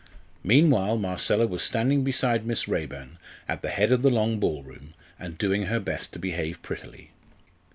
Meanwhile Marcella was standing beside Miss Raeburn, at the head of the long ball room, and doing her best to behave prettily.